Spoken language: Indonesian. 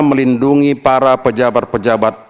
melindungi para pejabat pejabat